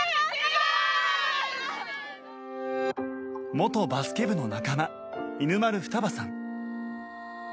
元バスケ部の仲間犬丸双葉さん。